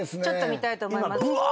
ちょっと見たいと思います。